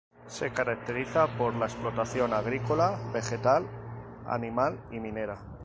Se caracteriza por la explotación agrícola vegetal, animal y minera.